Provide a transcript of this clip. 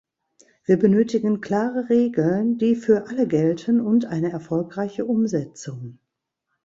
Wir benötigen klare Regeln, die für alle gelten, und eine erfolgreiche Umsetzung.